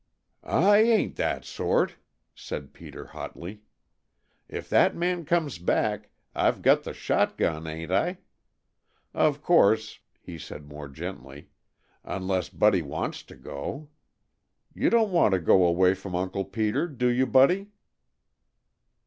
"I ain't that sort!" said Peter hotly. "If that man comes back I've got the shot gun, ain't I? Of course," he said more gently, "unless Buddy wants to go. You don't want to go away from Uncle Peter, do you Buddy?"